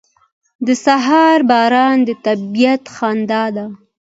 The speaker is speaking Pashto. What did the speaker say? • د سهار باران د طبیعت خندا ده.